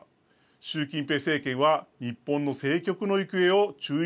習近平政権は日本の政局の行方を注意